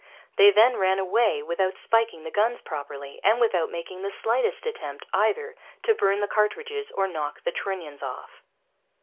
They then ran away without spiking the guns properly, and without making the slightest attempt either to burn the carriages or knock the trunnions off.